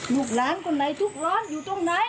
ลูกหลานคนไหนทุกข์ร้อนอยู่ตรงไหน